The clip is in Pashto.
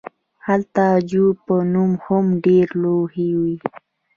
هلته د جو په نوم هم ډیرې لوحې وې